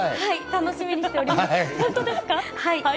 楽しみにしております。